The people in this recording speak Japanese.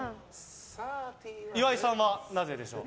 岩井さんはなぜでしょう。